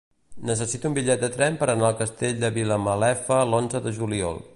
Necessito un bitllet de tren per anar al Castell de Vilamalefa l'onze de juliol.